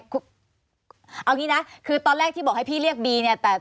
เอาอย่างนี้นะคือตอนแรกที่บอกให้พี่เรียกบีเนี่ย